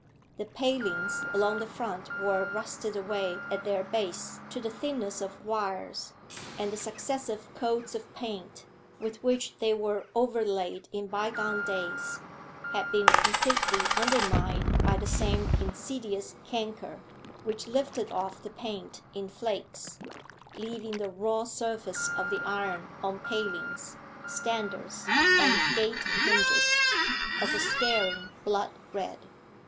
The palings along the front were rusted away at their base to the thinness of wires, and the successive coats of paint, with which they were overlaid in bygone days, had been completely undermined by the same insidious canker, which lifted off the paint in flakes, leaving the raw surface of the iron on palings, standards, and gate hinges, of a staring blood red.